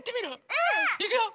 うん！いくよ！